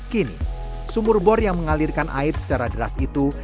kini sumur bor yang mengalirkan air secara deras itu